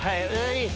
いい。